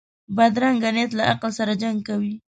بدرنګه نیت له عقل سره جنګ کوي